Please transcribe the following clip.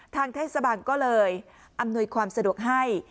ทางเทศบาลก็เลยอำนวยความสะดวกให้